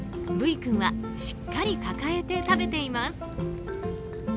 Ｖ君はしっかり抱えて食べています。